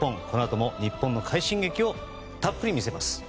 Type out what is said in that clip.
このあとも日本の快進撃をたっぷり見せます。